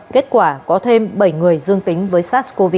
kết quả có thêm bảy người dương tính với sars cov hai